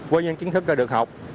với những kiến thức đã được học